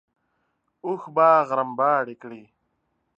اوښ به غرمباړې کړې.